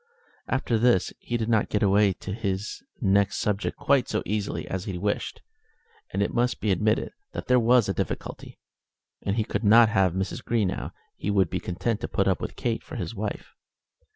After this he did not get away to his next subject quite so easily as he wished; and it must be admitted that there was a difficulty. As he could not have Mrs. Greenow he would be content to put up with Kate for his wife.